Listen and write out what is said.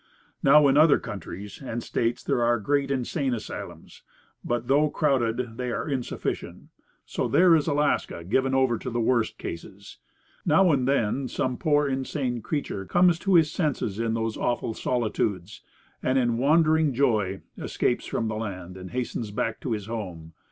Now, in other countries and states there are great insane asylums, but, though crowded, they are insufficient; so there is Alaska given over to the worst cases. Now and then some poor insane creature comes to his senses in those awful solitudes, and, in wondering joy, escapes from the land and hastens back to his home.